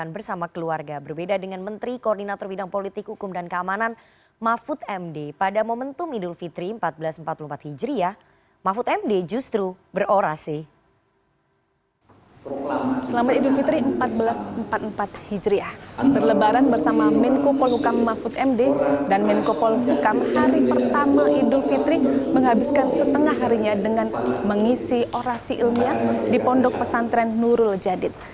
berlebaran bersama menko polhukam mahfud md dan menko polhukam hari pertama idul fitri menghabiskan setengah harinya dengan mengisi orasi ilmiah di pondok pesantren nurul jadid